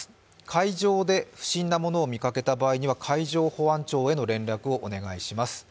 海上で不審なものを見つけた場合には、海上保安庁への連絡をお願いいたします。